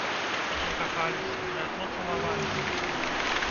Мы кахаліся, мы адно цалаваліся.